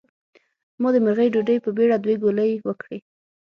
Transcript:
ما د غرمۍ ډوډۍ په بېړه دوې ګولې وکړې.